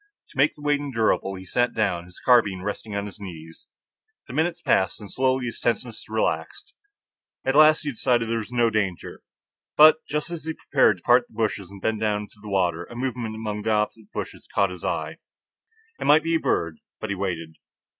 To make the wait endurable, he sat down, his carbine resting on his knees. The minutes passed, and slowly his tenseness relaxed. At last he decided there was no danger; but just as he prepared to part the bushes and bend down to the water, a movement among the opposite bushes caught his eye. It might be a bird. But he waited.